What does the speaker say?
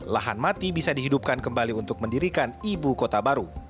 lahan mati bisa dihidupkan kembali untuk mendirikan ibu kota baru